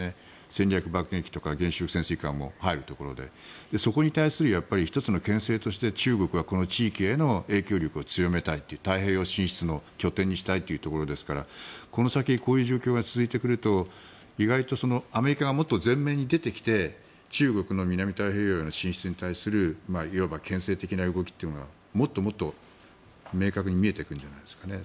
戦略爆撃機とか原子力潜水艦も入るということでそこに対する１つのけん制として中国はこの地域への影響力を強めたい太平洋進出の拠点にしたいということですからこの先、こういう状況が続いてくると意外とアメリカがもっと前面に出てきて中国の南太平洋の進出に対していわばけん制的な動きというのはもっともっと明確に見えてくるんじゃないですかね。